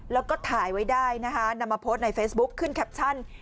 แล้วก็ถ่ายไว้ได้นะคะนำมาโพสต์ในเฟซบุ๊คขึ้นแคปชั่น